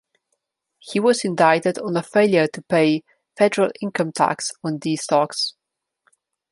He was indicted on a failure to pay federal income tax on these stocks.